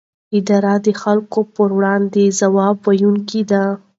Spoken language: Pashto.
اداره د خلکو پر وړاندې ځواب ویونکې ده.